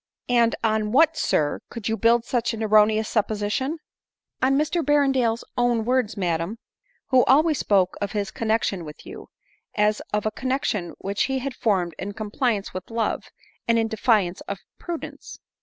" And on what, sir, could you build such an erroneous .* supposition ?"" On Mr Berrendale's own words, madam ; who al ways spoke of his connexion with you, as of a connexion * which he bad formed in compliance with love and in defiance of prudence."